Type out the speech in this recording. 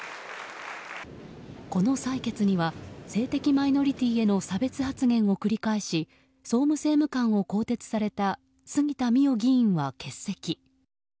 この採決には性的マイノリティーへの差別発言を繰り返し、総務政務官を更迭された杉田水脈議員は欠席。